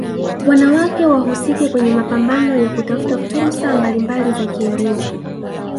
wanawake wahusike kwenye mapambano ya kutafuta fursa mbalimbali za kielimu